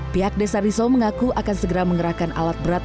pihak desa riso mengaku akan segera mengerahkan alat berat